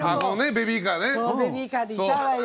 ベビーカーでいたわよ。